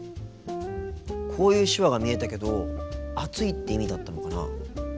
こういう手話が見えたけど暑いって意味だったのかな。